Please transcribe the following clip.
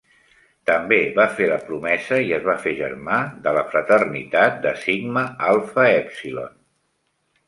També va fer la promesa i es va fer germà de la fraternitat de Sigma Alpha Epsilon.